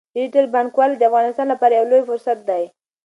ډیجیټل بانکوالي د افغانستان لپاره یو لوی فرصت دی۔